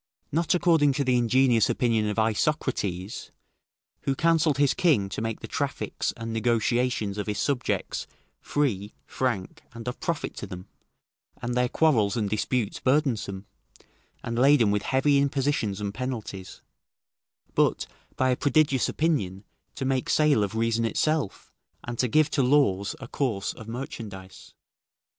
Not according to the ingenious opinion of Isocrates, [Discourse to Nicocles.] who counselled his king to make the traffics and negotiations of his subjects, free, frank, and of profit to them, and their quarrels and disputes burdensome, and laden with heavy impositions and penalties; but, by a prodigious opinion, to make sale of reason itself, and to give to laws a course of merchandise.